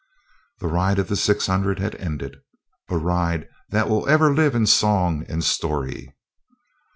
The ride of the six hundred had ended—a ride that will ever live in song and story.